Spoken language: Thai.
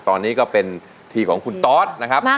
ตอนนี้ก็เป็นทีของคุณตอสนะครับ